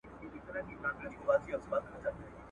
چې الهي قانون په کومه خاوره پلی نه وي